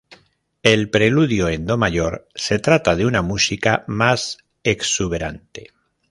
El Preludio en do mayor se trata de una música más exuberante.